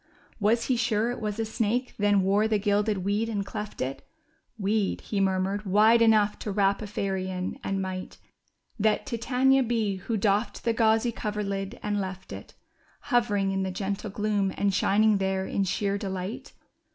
Was he sure it was a snake then wore the gilded weed and cleft it ? ^^Weed/' he murmured, ^Svide enough to wrap a fairy in." And might That Titania be, who doffed the gauzy coverlid and left it. Hovering in the gentle gloom, and shining there in sheer delight